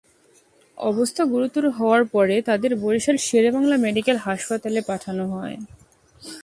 অবস্থা গুরুতর হওয়ায় পরে তাঁদের বরিশাল শেরে-ই-বাংলা মেডিকেল কলেজ হাসপাতালে পাঠানো হয়।